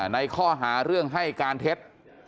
ในข้อหาเรื่องให้การเท็จ